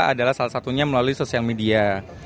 adalah salah satunya melalui sosial media